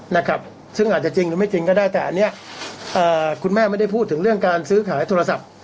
นะครับซึ่งอาจจะจริงหรือไม่จริงก็ได้แต่อันเนี้ยอ่าคุณแม่ไม่ได้พูดถึงเรื่องการซื้อขายโทรศัพท์